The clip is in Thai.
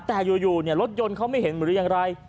แต่อยู่รถยนต์เขาไม่เห็นหรือยังไร